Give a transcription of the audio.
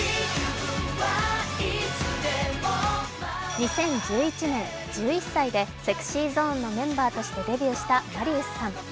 ２０１１年、１１歳でＳｅｘｙＺｏｎｅのメンバーとしてデビューしたマリウスさん。